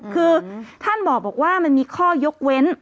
คือท่านบอกว่ามันมีข้อยกเว้น